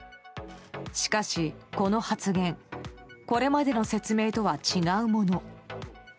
しかし、この発言これまでの説明とは違うもの。